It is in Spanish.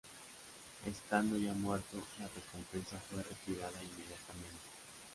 Estando ya muerto, la recompensa fue retirada inmediatamente.